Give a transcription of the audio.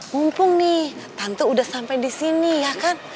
mumpung nih tante udah sampai di sini ya kan